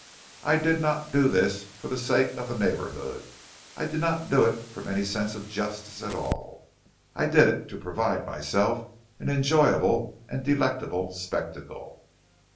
"I did not do this for the sake of the neighbourhood. I did not do it from any sense of justice at all. I did it to provide for myself an enjoyable and delectable spectacle."